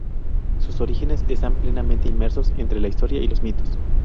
Sus orígenes están plenamente inmersos entre la historia y los mitos.